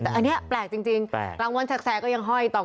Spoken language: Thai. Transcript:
แต่อันนี้แปลกจริงหลังวนแสกก็ยังห้อยต่องแต่งกันอยู่เลย